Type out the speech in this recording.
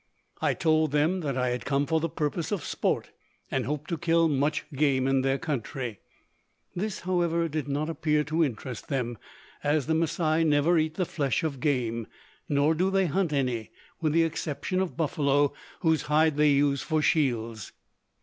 I told them that I had come for the purpose of sport, and hoped to kill much game in their country. This, however, did not appear to interest them, as the Masai never eat the flesh of game. Nor do they hunt any, with the exception of buffalo, whose hide they use for shields.